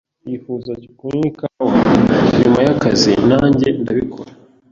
"Yifuza kunywa ikawa nyuma y'akazi." "Nanjye ndabikora."